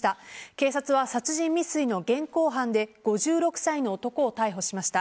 警察は殺人未遂の現行犯で５６歳の男を逮捕しました。